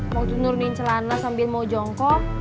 mau nurunin celana sambil mau jongkok